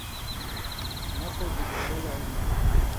مہ خو بِگ ولہ لا اېوں